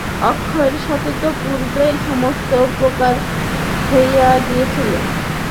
অক্ষয়ের কাছে তো পূর্বেই সমস্ত প্রকাশ হইয়া গিয়াছিল।